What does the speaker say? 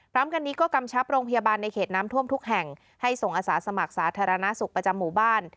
พร้อมกันนี้ก็กำชับโรงพยาบาลในเขตน้ำท่วมทุกแห่งให้ส่งอาสาสมัครสาธารณสุขประจำหมู่บ้าน